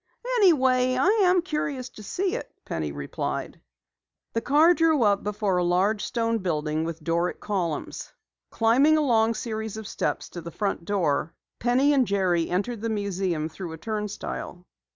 "Anyway, I am curious to see it," Penny replied. The car drew up before a large stone building with Doric columns. Climbing a long series of steps to the front door, Penny and Jerry entered the museum through a turnstile.